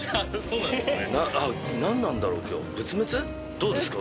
どうですか？